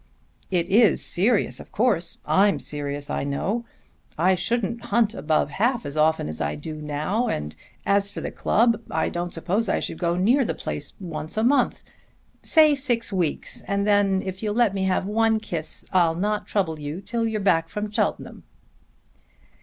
"It is serious, of course. I'm serious, I know. I shouldn't hunt above half as often as I do now; and as for the club, I don't suppose I should go near the place once a month. Say six weeks, and then, if you'll let me have one kiss, I'll not trouble you till you're back from Cheltenham."